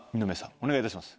お願いいたします。